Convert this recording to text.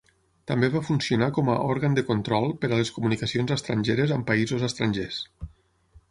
També va funcionar com a "òrgan de control" per a les comunicacions estrangeres amb països estrangers.